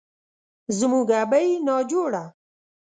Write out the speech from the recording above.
زموږ ابۍ ناجوړه،